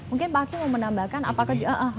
mungkin pak aki mau menambahkan apakah